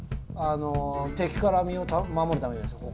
敵から身を守るためじゃないですか。